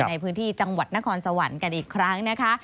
ในพื้นที่จังหวัดนครสวรรค์กันอีกครั้งนะคะ